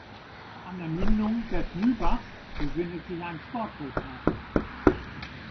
An der Mündung des Mühlbachs befindet sich ein Sportboothafen.